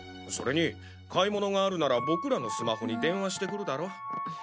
それに買い物があるなら僕らのスマホに電話して来るだろ？